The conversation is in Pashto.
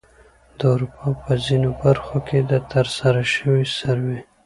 د اروپا په ځینو برخو کې د ترسره شوې سروې